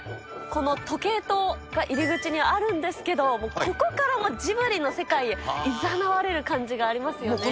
この時計塔が入り口にあるんですけれども、もうここからジブリの世界へいざなわれる感じがありますよね。